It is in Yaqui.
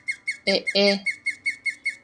¡Eʼe!